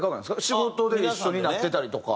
仕事で一緒になってたりとか。